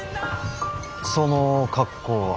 その格好は？